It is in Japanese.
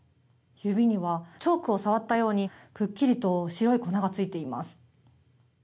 指にはチョークを触ったようにくっきりと白い粉がついています。